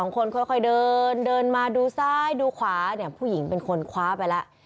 คนค่อยเดินเดินมาดูซ้ายดูขวาเนี่ยผู้หญิงเป็นคนคว้าไปแล้ว